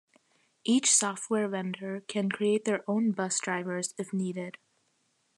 Each software vendor can create their own bus drivers if needed.